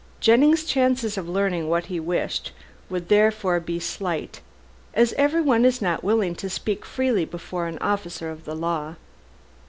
Jennings' chances of learning what he wished would therefore be slight, as everyone is not willing to speak freely before an officer of the law.